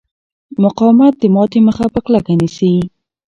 مقاومت د ماتې مخه په کلکه نیسي.